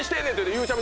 ゆうちゃみ。